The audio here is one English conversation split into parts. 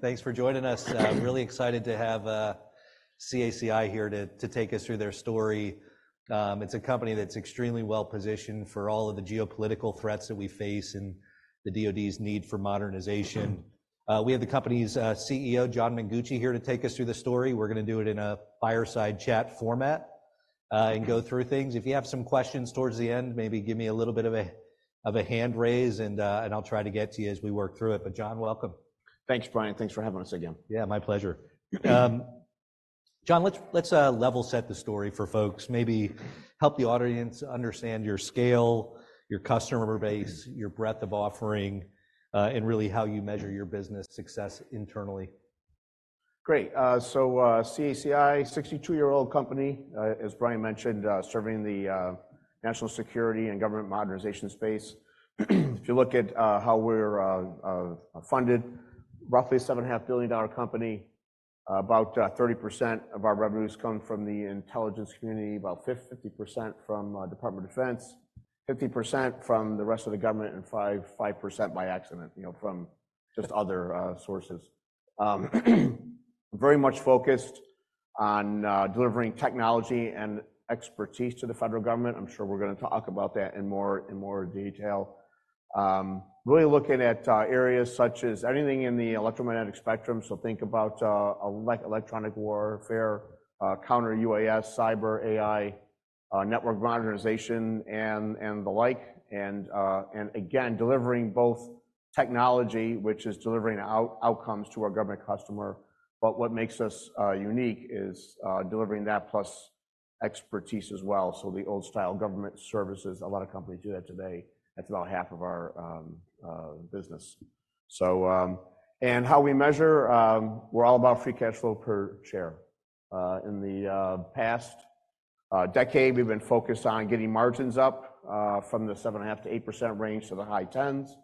Thanks for joining us. Really excited to have CACI here to take us through their story. It's a company that's extremely well-positioned for all of the geopolitical threats that we face and the DOD's need for modernization. We have the company's CEO, John Mengucci, here to take us through the story. We're gonna do it in a fireside chat format, and go through things. If you have some questions towards the end, maybe give me a little bit of a hand raise, and I'll try to get to you as we work through it. But, John, welcome. Thanks, Brian. Thanks for having us again. Yeah, my pleasure. John, let's level set the story for folks. Maybe help the audience understand your scale, your customer base, your breadth of offering, and really how you measure your business success internally. Great. So, CACI, 62-year-old company, as Brian mentioned, serving the national security and government modernization space. If you look at how we're funded, roughly $7.5 billion company. About 30% of our revenues come from the Intelligence Community, about 50% from Department of Defense, 50% from the rest of the government, and 5% by accident, you know, from just other sources. Very much focused on delivering technology and expertise to the federal government. I'm sure we're gonna talk about that in more detail. Really looking at areas such as anything in the electromagnetic spectrum, so think about electronic warfare Counter-UAS, cyber, AI, network modernization, and the like. And again, delivering both technology, which is delivering outcomes to our government customer, but what makes us unique is delivering that plus expertise as well. So the old-style government services, a lot of companies do that today. That's about half of our business. So, how we measure, we're all about free cash flow per share. In the past decade, we've been focused on getting margins up from the 7.5%-8% range to the high tens,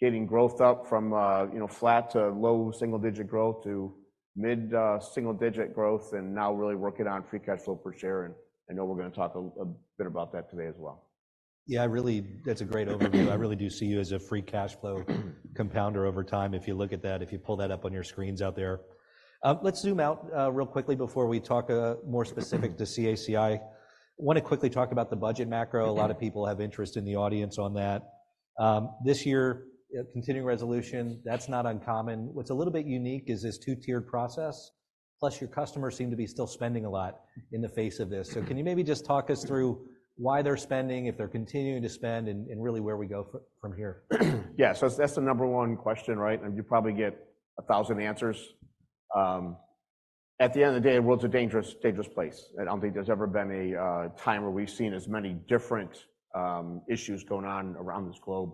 getting growth up from, you know, flat to low single-digit growth to mid single-digit growth, and now really working on free cash flow per share, and I know we're gonna talk a bit about that today as well. Yeah, really, that's a great overview. I really do see you as a free cash flow-compounder over time. If you look at that, if you pull that up on your screens out there. Let's zoom out real quickly before we talk more specific to CACI. Wanna quickly talk about the budget macro. Okay. A lot of people have interest in the audience on that. This year, a Continuing Resolution, that's not uncommon. What's a little bit unique is this two-tiered process, plus your customers seem to be still spending a lot in the face of this. So can you maybe just talk us through why they're spending, if they're continuing to spend, and really where we go from here? Yeah. So that's the number one question, right? And you probably get 1,000 answers. At the end of the day, the world's a dangerous, dangerous place. I don't think there's ever been a time where we've seen as many different issues going on around this globe.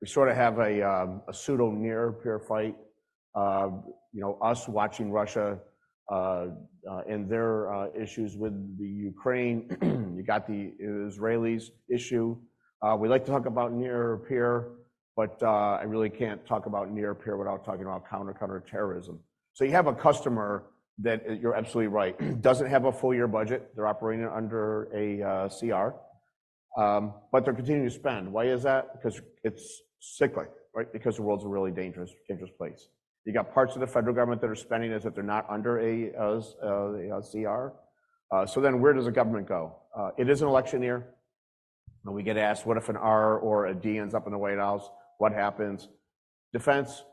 We sort of have a pseudo near-peer fight, you know, us watching Russia and their issues with the Ukraine. You got the Israelis issue. We like to talk about near-peer, but I really can't talk about near-peer without talking about counter-terrorism. So you have a customer that, you're absolutely right, doesn't have a full year budget. They're operating under a CR, but they're continuing to spend. Why is that? Because it's cyclic, right? Because the world's a really dangerous, dangerous place. You got parts of the federal government that are spending as if they're not under a CR. So then where does the government go? It is an election year, and we get asked, "What if an R or a D ends up in the White House, what happens?" Defense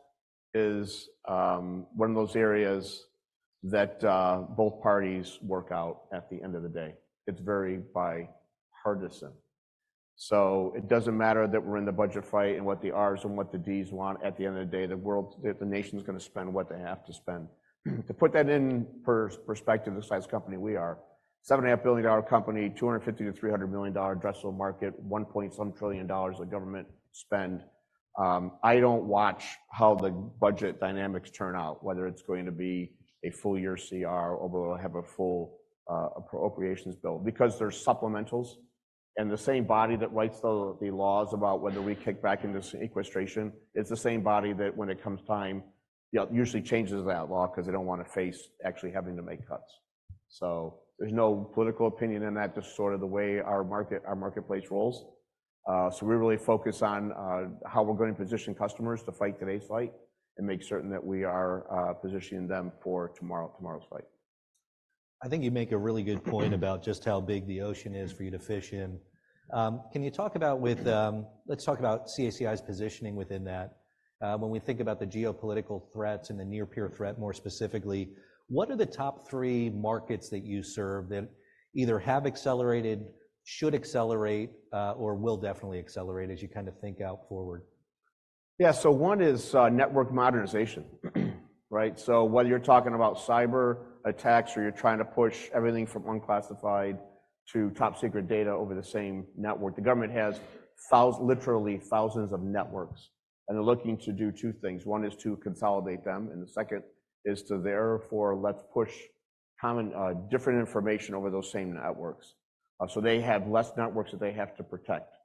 is one of those areas that both parties work out at the end of the day. It's very bipartisan. So it doesn't matter that we're in the budget fight and what the Rs and what the Ds want. At the end of the day, the world, the nation's gonna spend what they have to spend. To put that in perspective, the size company we are, $7.5 billion company, $250 million-$300 million addressable market, some $1 trillion of government spend. I don't watch how the budget dynamics turn out, whether it's going to be a full year CR or we'll have a full appropriations bill because there's supplementals and the same body that writes the laws about whether we kick back into sequestration, it's the same body that, when it comes time, usually changes that law 'cause they don't wanna face actually having to make cuts. So there's no political opinion in that, just sort of the way our market, our marketplace rolls. So we really focus on how we're gonna position customers to fight today's fight and make certain that we are positioning them for tomorrow, tomorrow's fight. I think you make a really good point about just how big the ocean is for you to fish in. Can you talk about with... Let's talk about CACI's positioning within that. When we think about the geopolitical threats and the near-peer threat, more specifically, what are the top three markets that you serve that either have accelerated, should accelerate, or will definitely accelerate as you kind of think out forward? Yeah. So one is network modernization. Right? So whether you're talking about cyber attacks, or you're trying to push everything from Unclassified to Top Secret data over the same network, the government has literally thousands of networks, and they're looking to do two things. One is to consolidate them, and the second is to therefore let's push common, different information over those same networks. So they have less networks that they have to protect.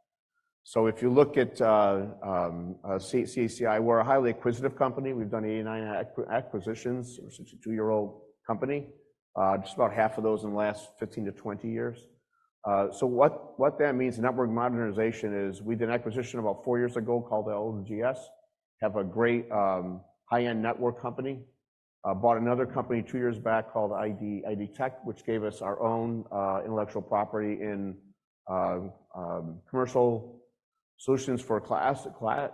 So if you look at CACI, we're a highly acquisitive company. We've done 89 acquisitions. We're a 62-year-old company, just about half of those in the last 15-20 years. So what that means, network modernization is, we did an acquisition about 4 years ago called LGS. Have a great, high-end network company. Bought another company two years back called ID Technologies, which gave us our own intellectual property in Commercial Solutions for Classified.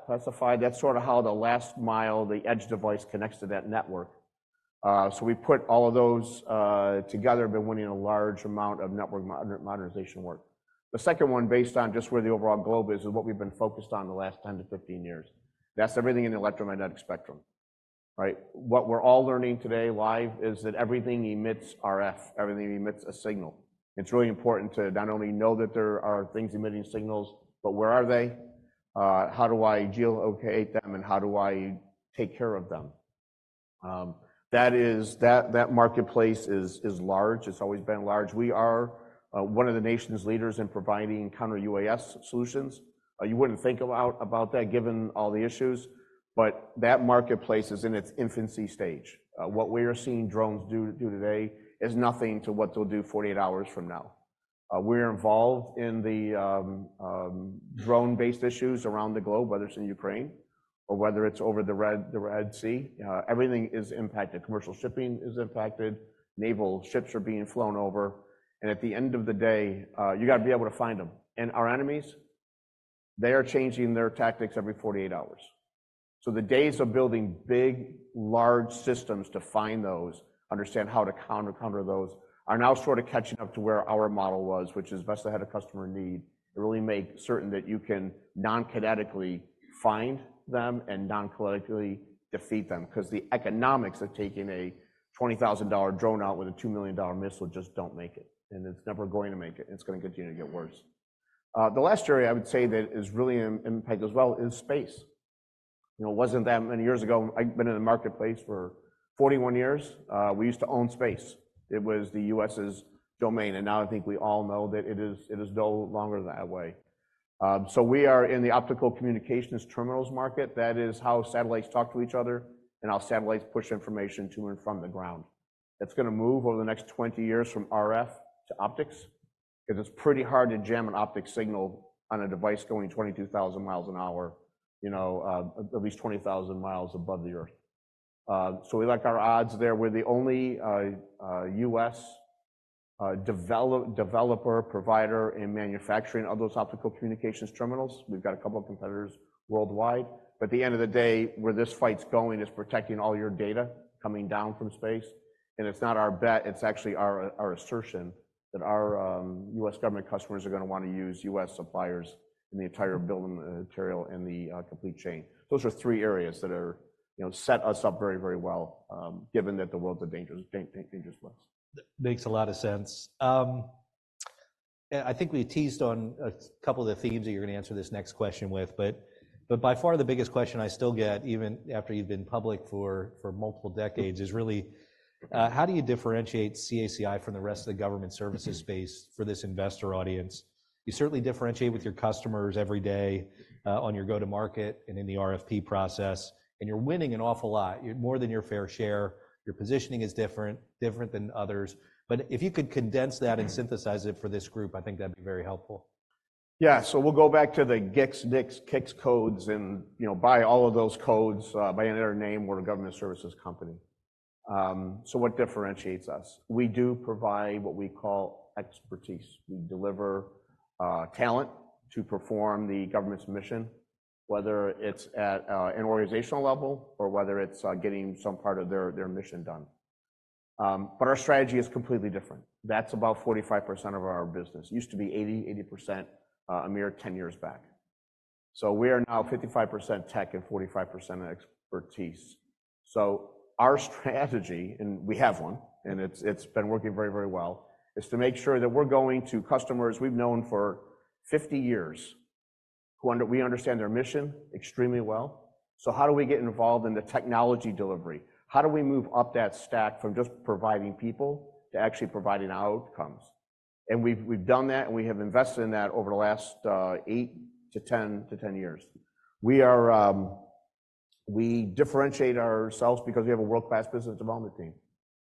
That's sort of how the last mile, the edge device, connects to that network. So we put all of those together, been winning a large amount of network modernization work. The second one, based on just where the overall globe is, is what we've been focused on the last 10-15 years. That's everything in the electromagnetic spectrum, right? What we're all learning today, live, is that everything emits RF, everything emits a signal. It's really important to not only know that there are things emitting signals, but where are they? How do I geolocate them, and how do I take care of them? That marketplace is large. It's always been large. We are one of the nation's leaders in providing Counter-UAS solutions. You wouldn't think about that given all the issues, but that marketplace is in its infancy stage. What we are seeing drones do today is nothing to what they'll do 48 hours from now. We're involved in the drone-based issues around the globe, whether it's in Ukraine or whether it's over the Red Sea. Everything is impacted. Commercial shipping is impacted, naval ships are being flown over, and at the end of the day, you got to be able to find them. And our enemies, they are changing their tactics every 48 hours. So the days of building big, large systems to find those, understand how to counter, counter those, are now sort of catching up to where our model was, which is best ahead of customer need, and really make certain that you can non-kinetically find them and non-kinetically defeat them. 'Cause the economics of taking a $20,000 drone out with a $2 million missile just don't make it, and it's never going to make it, and it's gonna continue to get worse. The last area I would say that is really impact as well is space. You know, it wasn't that many years ago, I've been in the marketplace for 41 years, we used to own space. It was the U.S.'s domain, and now I think we all know that it is, it is no longer that way. So we are in the optical communications terminals market. That is how satellites talk to each other, and how satellites push information to and from the ground. It's gonna move over the next 20 years from RF to optics, 'cause it's pretty hard to jam an optic signal on a device going 22,000 miles an hour, you know, at least 20,000 miles above the Earth. So we like our odds there. We're the only U.S. developer, provider, and manufacturer of those Optical Communications Terminals. We've got a couple of competitors worldwide, but at the end of the day, where this fight's going is protecting all your data coming down from space. And it's not our bet, it's actually our, our assertion that our U.S. government customers are gonna wanna use U.S. suppliers in the entire bill of material and the complete chain. Those are three areas that are... You know, set us up very, very well, given that the world's a dangerous place. Makes a lot of sense. Yeah, I think we teased on a couple of the themes that you're gonna answer this next question with, but, but by far the biggest question I still get, even after you've been public for, for multiple decades, is really: How do you differentiate CACI from the rest of the government services space for this investor audience? You certainly differentiate with your customers every day, on your go-to-market and in the RFP process, and you're winning an awful lot, more than your fair share. Your positioning is different, different than others. But if you could condense that and synthesize it for this group, I think that'd be very helpful. Yeah. So we'll go back to the GICS, NAICS, SIC codes and, you know, by all of those codes, by another name, we're a government services company. So what differentiates us? We do provide what we call expertise. We deliver, talent to perform the government's mission, whether it's at, an organizational level or whether it's, getting some part of their mission done. But our strategy is completely different. That's about 45% of our business. Used to be 80, 80%, a mere 10 years back. So we are now 55% tech and 45% expertise. So our strategy, and we have one, and it's been working very, very well, is to make sure that we're going to customers we've known for 50 years, who we understand their mission extremely well. So how do we get involved in the technology delivery? How do we move up that stack from just providing people to actually providing outcomes? We've done that, and we have invested in that over the last 8-10 years. We differentiate ourselves because we have a world-class business development team.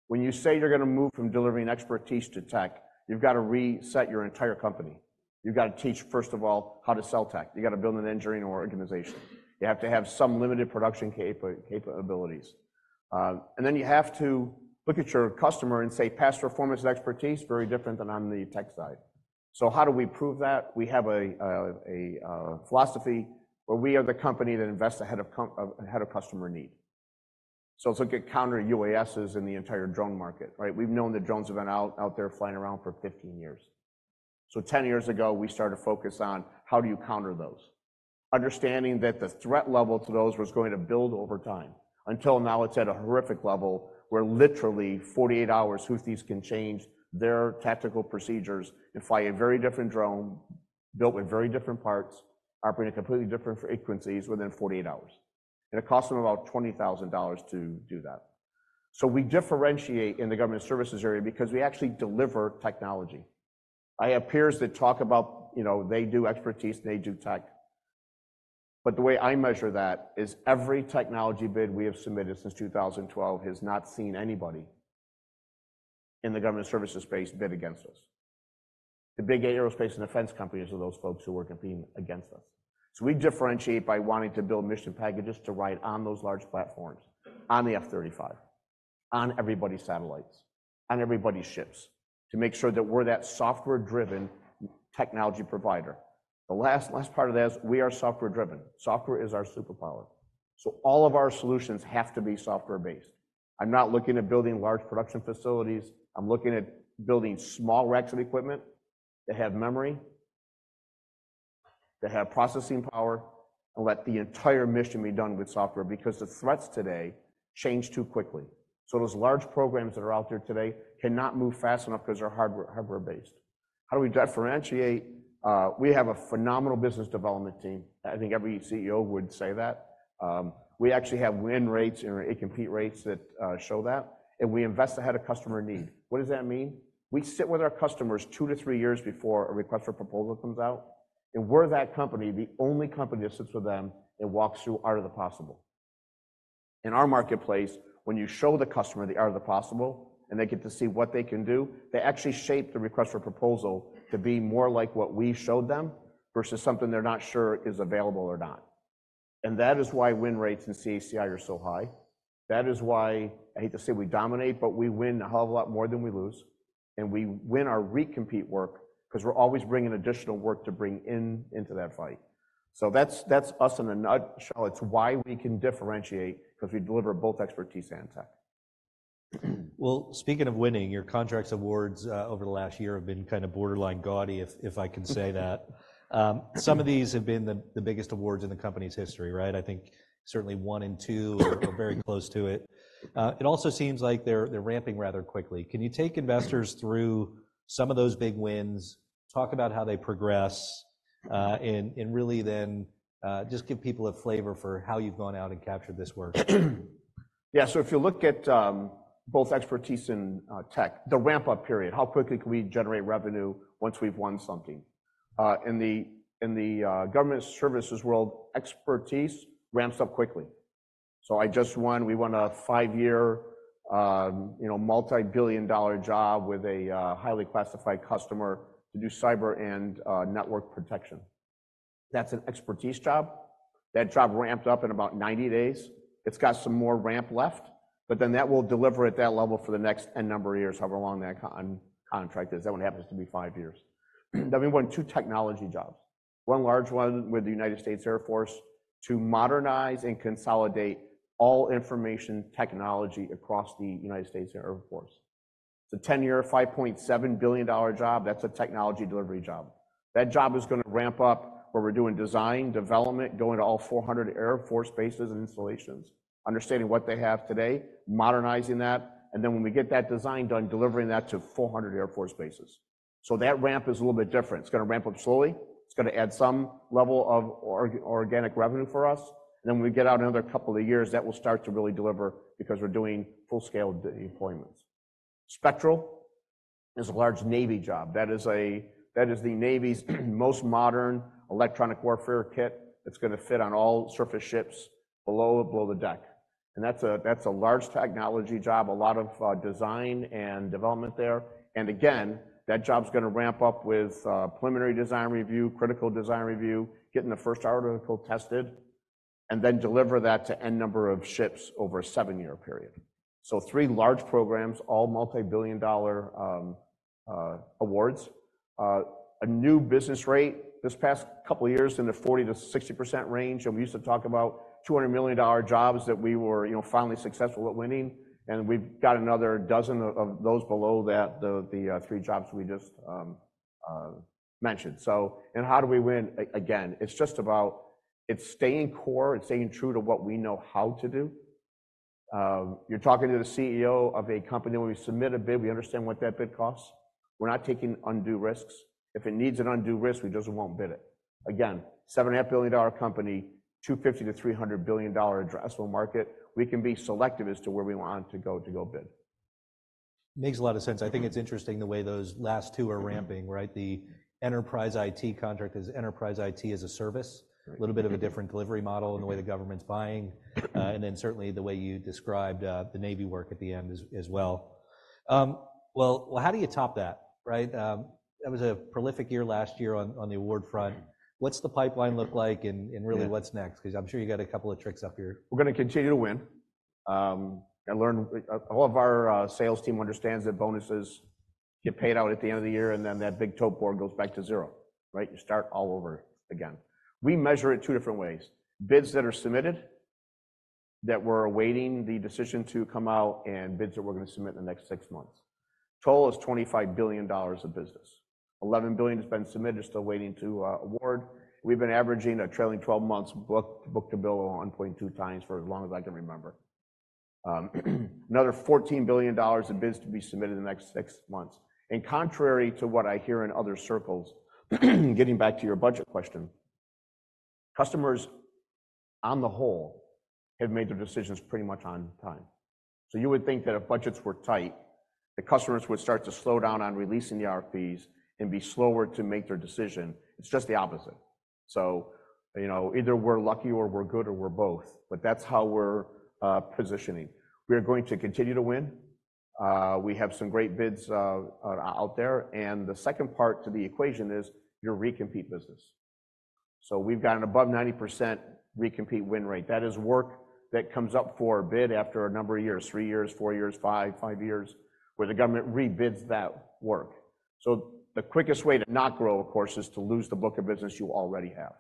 When you say you're gonna move from delivering expertise to tech, you've got to reset your entire company. You've got to teach, first of all, how to sell tech. You've got to build an engineering organization. You have to have some limited production capabilities. And then you have to look at your customer and say, "Past performance expertise, very different than on the tech side." So how do we prove that? We have a philosophy where we are the company that invests ahead of customer need. So let's look at Counter-UAS in the entire drone market, right? We've known that drones have been out there flying around for 15 years. So 10 years ago, we started to focus on: How do you counter those? Understanding that the threat level to those was going to build over time, until now it's at a horrific level, where literally 48 hours, Houthis can change their tactical procedures and fly a very different drone, built with very different parts, operate at completely different frequencies within 48 hours. And it costs them about $20,000 to do that. So we differentiate in the government services area because we actually deliver technology. I have peers that talk about, you know, they do expertise, and they do tech.... But the way I measure that is every technology bid we have submitted since 2012 has not seen anybody in the government services space bid against us. The big aerospace and defense companies are those folks who are competing against us. So we differentiate by wanting to build mission packages to ride on those large platforms, on the F-35, on everybody's satellites, on everybody's ships, to make sure that we're that software-driven technology provider. The last, last part of that is we are software-driven. Software is our superpower, so all of our solutions have to be software-based. I'm not looking at building large production facilities. I'm looking at building small racks of equipment that have memory, that have processing power, and let the entire mission be done with software, because the threats today change too quickly. So those large programs that are out there today cannot move fast enough because they're hardware, hardware-based. How do we differentiate? We have a phenomenal business development team. I think every CEO would say that. We actually have win rates and recompete rates that show that, and we invest ahead of customer need. What does that mean? We sit with our customers 2-3 years before a request for proposal comes out, and we're that company, the only company that sits with them and walks through art of the possible. In our marketplace, when you show the customer the art of the possible, and they get to see what they can do, they actually shape the request for proposal to be more like what we showed them versus something they're not sure is available or not. And that is why win rates in CACI are so high. That is why, I hate to say we dominate, but we win a hell of a lot more than we lose, and we win our recompete work because we're always bringing additional work to bring in into that fight. So that's, that's us in a nutshell. It's why we can differentiate, because we deliver both expertise and tech. Well, speaking of winning, your contracts awards over the last year have been kind of borderline gaudy, if, if I can say that. Some of these have been the biggest awards in the company's history, right? I think certainly one and two are very close to it. It also seems like they're ramping rather quickly. Can you take investors through some of those big wins, talk about how they progress, and really then, just give people a flavor for how you've gone out and captured this work? Yeah. So if you look at both expertise in tech, the ramp-up period, how quickly can we generate revenue once we've won something? In the government services world, expertise ramps up quickly. So we won a 5-year, you know, multi-billion dollar job with a highly classified customer to do cyber and network protection. That's an expertise job. That job ramped up in about 90 days. It's got some more ramp left, but then that will deliver at that level for the next N number of years, however long that contract is. That one happens to be 5 years. Then we won two technology jobs. One large one with the United States Air Force to modernize and consolidate all information technology across the United States Air Force. It's a 10-year, $5.7 billion job. That's a technology delivery job. That job is gonna ramp up, where we're doing design, development, going to all 400 Air Force bases and installations, understanding what they have today, modernizing that, and then when we get that design done, delivering that to 400 Air Force bases. So that ramp is a little bit different. It's gonna ramp up slowly. It's gonna add some level of organic revenue for us, and then when we get out another couple of years, that will start to really deliver because we're doing full-scale deployments. Spectral is a large Navy job. That is the Navy's most modern electronic warfare kit that's gonna fit on all surface ships below the deck. And that's a large technology job, a lot of design and development there. Again, that job's gonna ramp up with Preliminary Design Review, Critical Design Review, getting the first article tested, and then deliver that to N number of ships over a 7-year period. So three large programs, all multi-billion-dollar awards. A new business rate this past couple of years in the 40%-60% range, and we used to talk about $200 million jobs that we were, you know, finally successful at winning, and we've got another dozen of those below that, the three jobs we just mentioned. So, and how do we win? Again, it's just about staying core, it's staying true to what we know how to do. You're talking to the CEO of a company; when we submit a bid, we understand what that bid costs. We're not taking undue risks. If it needs an undue risk, we just won't bid it. Again, $7.5 billion-dollar company, $250-$300 billion-dollar addressable market, we can be selective as to where we want to go to go bid. Makes a lot of sense. I think it's interesting the way those last two are ramping, right? The enterprise IT contract is Enterprise IT as a Service. Correct. A little bit of a different delivery model- Mm-hmm in the way the government's buying, and then certainly the way you described, the Navy work at the end as well. Well, how do you top that, right? That was a prolific year last year on the award front. What's the pipeline look like, and really- Yeah... what's next? Because I'm sure you got a couple of tricks up your- We're gonna continue to win and learn. All of our sales team understands that bonuses get paid out at the end of the year, and then that big tote board goes back to zero, right? You start all over again. We measure it two different ways: bids that are submitted, that we're awaiting the decision to come out, and bids that we're gonna submit in the next six months. Total is $25 billion of business. $11 billion has been submitted, are still waiting to award. We've been averaging a trailing twelve months book-to-bill of 1.2 times for as long as I can remember. Another $14 billion in bids to be submitted in the next six months. And contrary to what I hear in other circles, getting back to your budget question, customers-... On the whole, have made their decisions pretty much on time. So you would think that if budgets were tight, the customers would start to slow down on releasing the RFPs and be slower to make their decision. It's just the opposite. So, you know, either we're lucky, or we're good, or we're both, but that's how we're positioning. We are going to continue to win. We have some great bids out there, and the second part to the equation is your recompete business. So we've got an above 90% recompete win rate. That is work that comes up for a bid after a number of years, 3 years, 4 years, 5, 5 years, where the government rebids that work. So the quickest way to not grow, of course, is to lose the book of business you already have.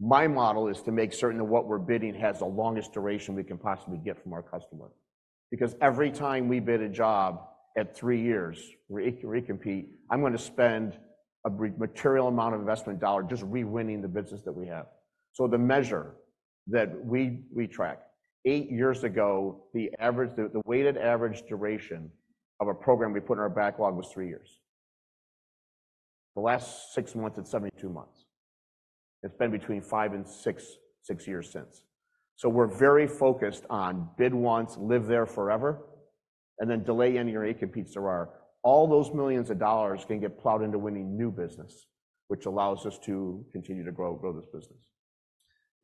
My model is to make certain that what we're bidding has the longest duration we can possibly get from our customer. Because every time we bid a job at 3 years, recompete, I'm gonna spend a material amount of investment dollar just re-winning the business that we have. So the measure that we track, 8 years ago, the weighted average duration of a program we put in our backlog was 3 years. The last 6 months, it's 72 months. It's been between 5 and 6 years since. So we're very focused on bid once, live there forever, and then delay any of the recompetes there are. All those $ millions can get plowed into winning new business, which allows us to continue to grow this business.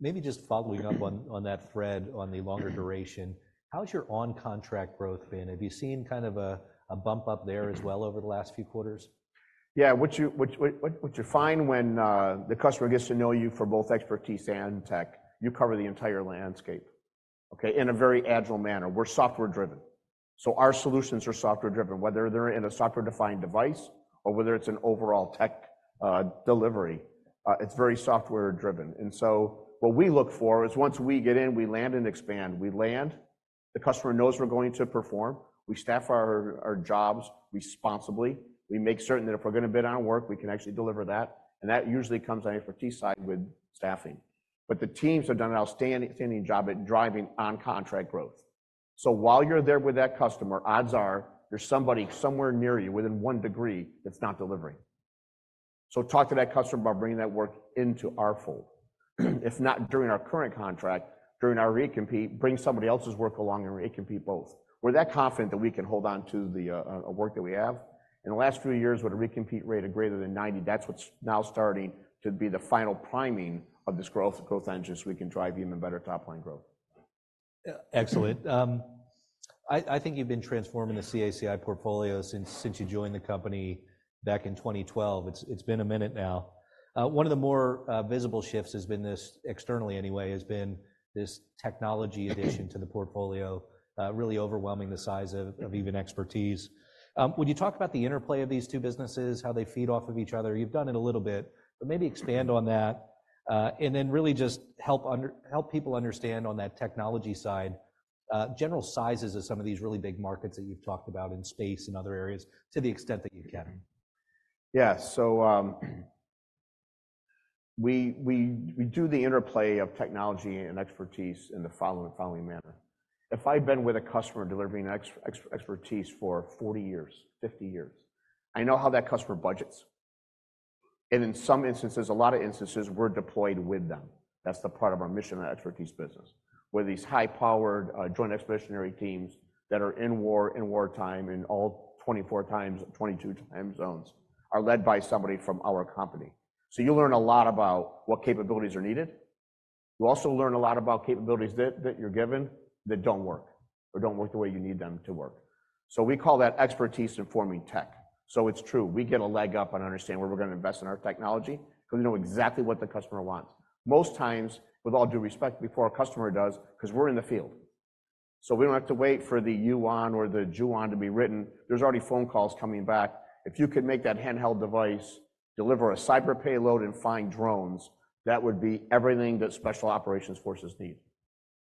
Maybe just following up on that thread, on the longer duration, how's your on-contract growth been? Have you seen kind of a bump up there as well over the last few quarters? Yeah, what you find when the customer gets to know you for both expertise and tech, you cover the entire landscape, okay? In a very agile manner. We're software driven, so our solutions are software driven, whether they're in a software-defined device or whether it's an overall tech delivery, it's very software driven. And so what we look for is once we get in, we land and expand. We land, the customer knows we're going to perform, we staff our jobs responsibly. We make certain that if we're gonna bid on work, we can actually deliver that, and that usually comes on the expertise side with staffing. But the teams have done an outstanding, outstanding job at driving on-contract growth. So while you're there with that customer, odds are there's somebody somewhere near you, within one degree, that's not delivering. So talk to that customer about bringing that work into our fold. If not during our current contract, during our recompete, bring somebody else's work along and recompete both. We're that confident that we can hold on to the work that we have. In the last few years, with a recompete rate of greater than 90%, that's what's now starting to be the final priming of this growth, growth engine, so we can drive even better top-line growth. Excellent. I think you've been transforming the CACI portfolio since you joined the company back in 2012. It's been a minute now. One of the more visible shifts has been this technology addition to the portfolio, really overwhelming the size of even expertise. Would you talk about the interplay of these two businesses, how they feed off of each other? You've done it a little bit, but maybe expand on that. And then really just help people understand on that technology side, general sizes of some of these really big markets that you've talked about in space and other areas, to the extent that you can. Yeah. So, we do the interplay of technology and expertise in the following manner. If I've been with a customer delivering expertise for 40 years, 50 years, I know how that customer budgets, and in some instances, a lot of instances, we're deployed with them. That's the part of our mission and expertise business, where these high-powered Joint Expeditionary Teams that are in wartime, in all 24 times... 22 time zones, are led by somebody from our company. So you learn a lot about what capabilities are needed. You also learn a lot about capabilities that you're given that don't work or don't work the way you need them to work. So we call that expertise informing tech. So it's true, we get a leg up on understanding where we're gonna invest in our technology because we know exactly what the customer wants. Most times, with all due respect, before a customer does, 'cause we're in the field, so we don't have to wait for the UON or the JUON to be written. There's already phone calls coming back. "If you could make that handheld device deliver a cyber payload and find drones, that would be everything that Special Operations Forces need."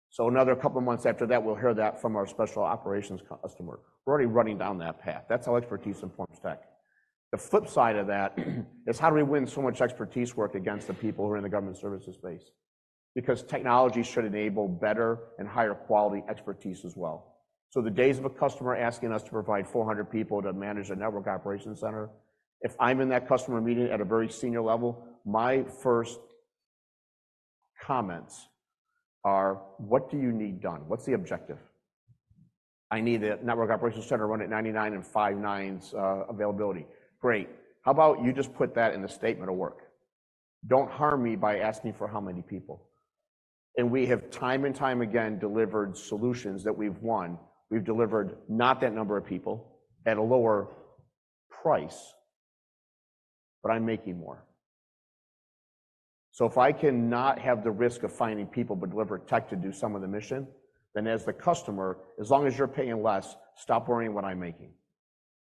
So another couple of months after that, we'll hear that from our special operations customer. We're already running down that path. That's how expertise informs tech. The flip side of that, is how do we win so much expertise work against the people who are in the government services space? Because technology should enable better and higher quality expertise as well. So the days of a customer asking us to provide 400 people to manage a network operations center, if I'm in that customer meeting at a very senior level, my first comments are: "What do you need done? What's the objective?" "I need the network operations center running at 99.999% availability." "Great, how about you just put that in the statement of work? Don't harm me by asking for how many people." And we have, time and time again, delivered solutions that we've won. We've delivered not that number of people at a lower price, but I'm making more. So if I cannot have the risk of finding people, but deliver tech to do some of the mission, then as the customer, as long as you're paying less, stop worrying what I'm making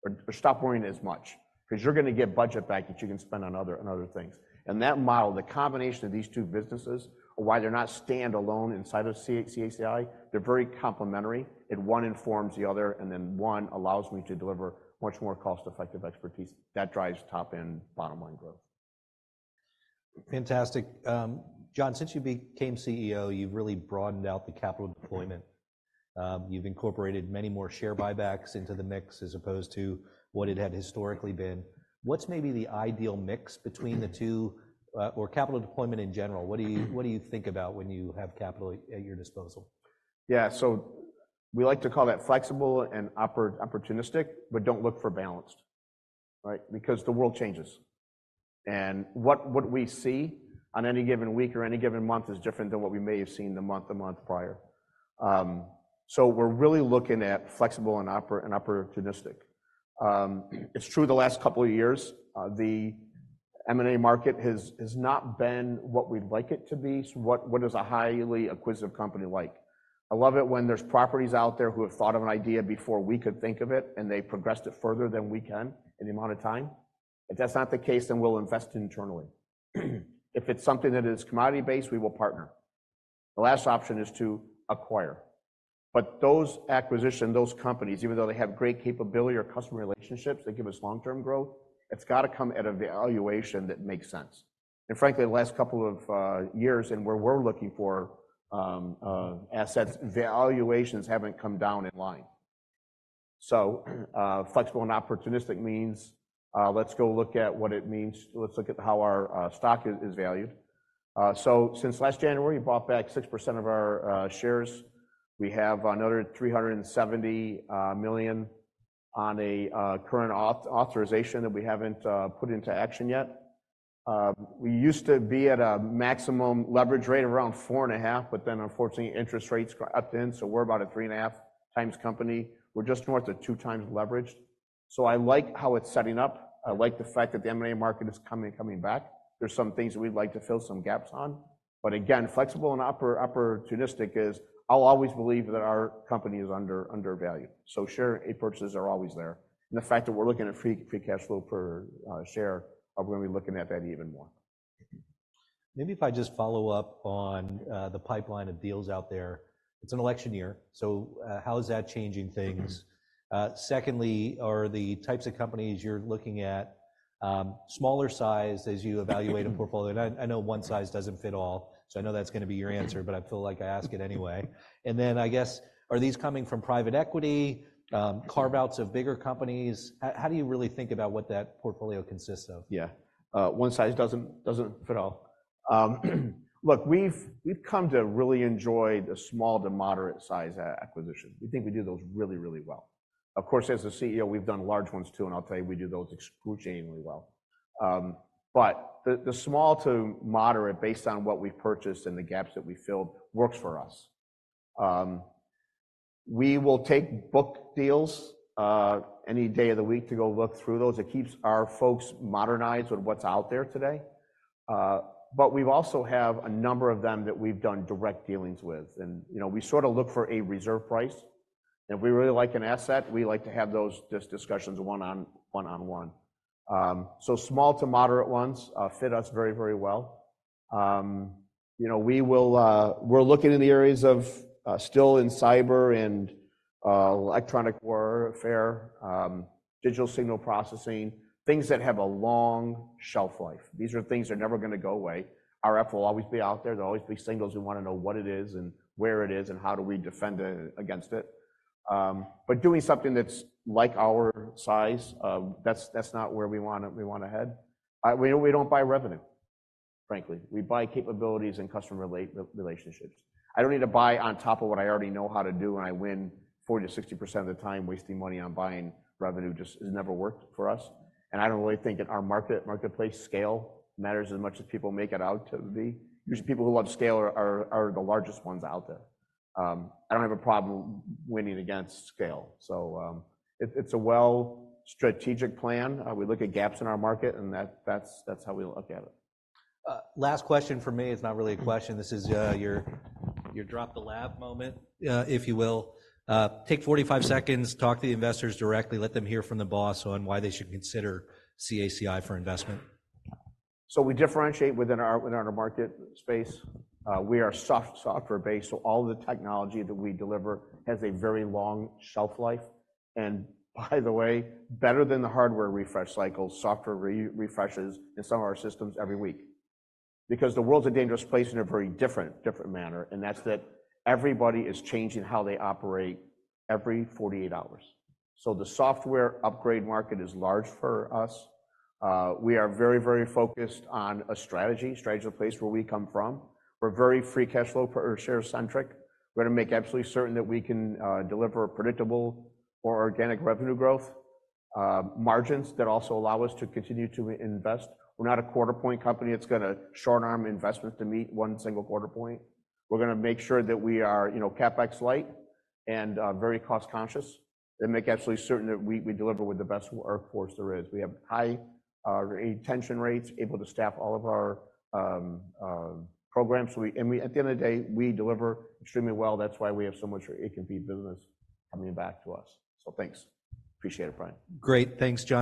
or, or stop worrying as much, 'cause you're gonna get budget back that you can spend on other, on other things. And that model, the combination of these two businesses are why they're not standalone inside of CACI. They're very complementary, and one informs the other, and then one allows me to deliver much more cost-effective expertise. That drives top and bottom line growth. Fantastic. John, since you became CEO, you've really broadened out the capital deployment. You've incorporated many more share buybacks into the mix as opposed to what it had historically been. What's maybe the ideal mix between the two, or capital deployment in general? What do you, what do you think about when you have capital at, at your disposal? Yeah, so we like to call that flexible and opportunistic, but don't look for balanced, right? Because the world changes, and what we see on any given week or any given month is different than what we may have seen the month or month prior. So we're really looking at flexible and opportunistic. It's true the last couple of years, the M&A market has not been what we'd like it to be. So what is a highly acquisitive company like? I love it when there's properties out there who have thought of an idea before we could think of it, and they've progressed it further than we can in the amount of time. If that's not the case, then we'll invest internally. If it's something that is commodity-based, we will partner. The last option is to acquire. But those acquisitions, those companies, even though they have great capability or customer relationships that give us long-term growth, it's got to come at a valuation that makes sense. And frankly, the last couple of years and where we're looking for assets, valuations haven't come down in line. So, flexible and opportunistic means, let's go look at what it means. Let's look at how our stock is valued. So since last January, we bought back 6% of our shares. We have another $370 million on a current authorization that we haven't put into action yet. We used to be at a maximum leverage rate around 4.5, but then unfortunately, interest rates got up then, so we're about a 3.5 times company. We're just north of 2x leverage. So I like how it's setting up. I like the fact that the M&A market is coming back. There's some things that we'd like to fill some gaps on, but again, flexible and opportunistic is, I'll always believe that our company is undervalued. So share repurchases are always there, and the fact that we're looking at free cash flow per share, we're gonna be looking at that even more. Maybe if I just follow up on the pipeline of deals out there. It's an election year, so how is that changing things? Secondly, are the types of companies you're looking at smaller size as you evaluate a portfolio? I know one size doesn't fit all, so I know that's gonna be your answer, but I feel like I ask it anyway. And then I guess, are these coming from private equity, carve outs of bigger companies? How do you really think about what that portfolio consists of? Yeah. One size doesn't fit all. Look, we've come to really enjoy the small to moderate size acquisition. We think we do those really, really well. Of course, as a CEO, we've done large ones, too, and I'll tell you, we do those extraordinarily well. But the small to moderate, based on what we've purchased and the gaps that we filled, works for us. We will take book deals any day of the week to go look through those. It keeps our folks modernized with what's out there today. But we've also have a number of them that we've done direct dealings with, and, you know, we sort of look for a reserve price, and if we really like an asset, we like to have those discussions one-on-one. So small to moderate ones fit us very, very well. You know, we will. We're looking in the areas of still in cyber and electronic warfare, digital signal processing, things that have a long shelf life. These are things that are never gonna go away. RF will always be out there. There'll always be signals. We wanna know what it is, and where it is, and how do we defend against it. But doing something that's like our size, that's not where we wanna head. We don't buy revenue, frankly. We buy capabilities and customer relationships. I don't need to buy on top of what I already know how to do, and I win 40%-60% of the time. Wasting money on buying revenue just has never worked for us, and I don't really think in our marketplace, scale matters as much as people make it out to be. Usually, people who love scale are the largest ones out there. I don't have a problem winning against scale. So, it's a well strategic plan. We look at gaps in our market, and that's how we look at it. Last question from me, it's not really a question. Mm-hmm. This is your drop the mic moment, if you will. Take 45 seconds, talk to the investors directly. Let them hear from the boss on why they should consider CACI for investment. So we differentiate within our market space. We are software-based, so all the technology that we deliver has a very long shelf life, and by the way, better than the hardware refresh cycle, software refreshes in some of our systems every week. Because the world's a dangerous place in a very different manner, and that's that everybody is changing how they operate every 48 hours. So the software upgrade market is large for us. We are very, very focused on a strategy place where we come from. We're very free cash flow per share centric. We're gonna make absolutely certain that we can deliver a predictable or organic revenue growth, margins that also allow us to continue to invest. We're not a quarter point company that's got a short-term investment to meet one single quarter point. We're gonna make sure that we are, you know, CapEx light and very cost conscious, and make absolutely certain that we deliver with the best workforce there is. We have high retention rates, able to staff all of our programs. And at the end of the day, we deliver extremely well. That's why we have so much repeat business coming back to us. So thanks. Appreciate it, Brian. Great. Thanks, John.